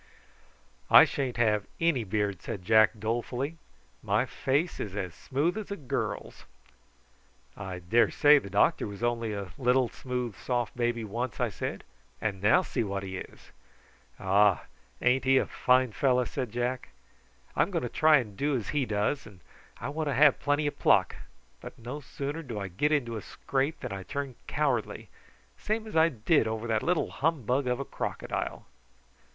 "I sha'n't never have any beard," said Jack, dolefully; "my face is as smooth as a girl's!" "I daresay the doctor was only a little smooth soft baby once," I said; "and now see what he is." "Ah! ain't he a fine fellow?" said Jack. "I'm going to try and do as he does, and I want to have plenty of pluck; but no sooner do I get into a scrape than I turn cowardly, same as I did over that little humbug of a crocodile."